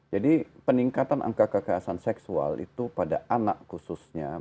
jadi peningkatan angka kekerasan seksual itu terjadi di dalam ruang cyberspace bukan di ruang nyata